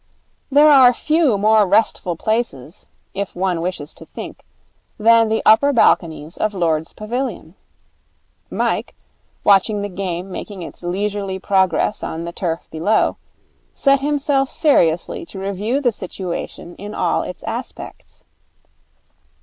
There are few more restful places, if one wishes to think, than the upper balconies of Lord's pavilion. Mike, watching the game making its leisurely progress on the turf below, set himself seriously to review the situation in all its aspects.